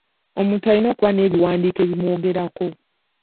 Omuntu alina okubeera n'ebiwandiiko ebimwogerako.